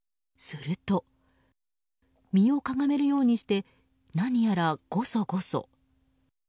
すると、身をかがめるようにして何やらごそごそ。